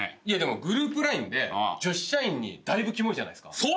いやでもグループＬＩＮＥで女子社員にだいぶキモいじゃないですか。